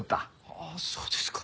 ああそうですか。